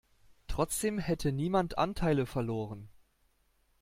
Trotzdem hätte niemand Anteile verloren.